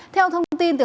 theo thông tin từ hcm